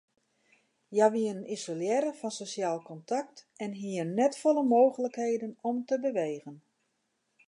Hja wiene isolearre fan sosjaal kontakt en hiene net folle mooglikheden om te bewegen.